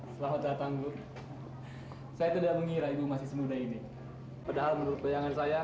selamat datang saya tidak mengira ibu masih semudah ini padahal menurut bayangan saya